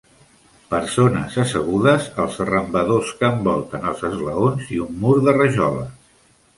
Persones assegudes als arrambadors que envolten els esglaons i un mur de rajoles.